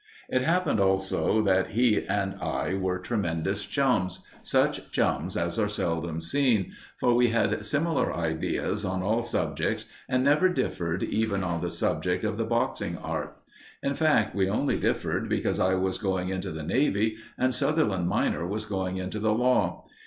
It happened, also, that he and I were tremendous chums such chums as are seldom seen for we had similar ideas on all subjects and never differed even on the subject of the boxing art. In fact we only differed because I was going into the Navy and Sutherland minor was going into the Law.